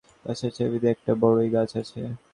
বাড়ির পিছনের দিকে একটা বড়ই গাছ আছে।